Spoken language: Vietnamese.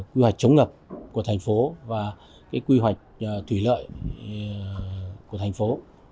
quy hoạch chống ngập của thành phố và quy hoạch thủy lợi của thành phố